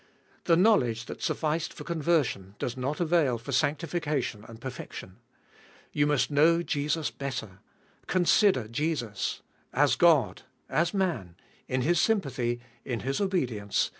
The knowledge that sufficed for conver sion, does not avail for sanctification and perfection. You must know Jesus better. Consider Jesus ! As God ! As Man ! In His sympathy ! In His obedience